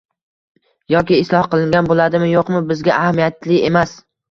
yoki “isloh qilingan” bo‘ladimi-yo‘qmi bizga ahamiyatli emas.